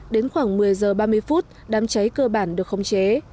đến khoảng một mươi giờ ba mươi phút đám cháy cơ bản được khống chế